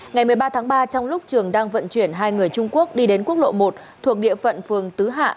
ngày một mươi ba tháng ba trong lúc trường đang vận chuyển hai người trung quốc đi đến quốc lộ một thuộc địa phận phường tứ hạ